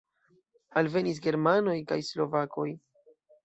Alvenis germanoj kaj slovakoj.